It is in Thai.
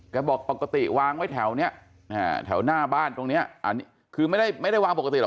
บอกปกติวางไว้แถวนี้แถวหน้าบ้านตรงนี้อันนี้คือไม่ได้วางปกติหรอ